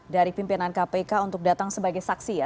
dari pimpinan kpk untuk datang sebagai saksi ya